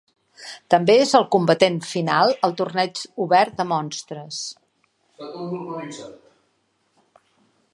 També és el combatent final al torneig obert de monstres.